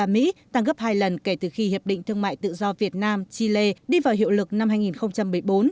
mỹ tăng gấp hai lần kể từ khi hiệp định thương mại tự do việt nam chile đi vào hiệu lực năm hai nghìn một mươi bốn